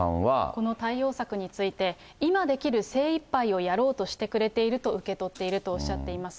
この対応策について、今できる精いっぱいをやろうとしてくれていると受け取っているとおっしゃっています。